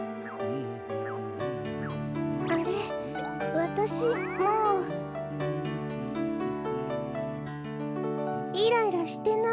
わたしもうイライラしてない。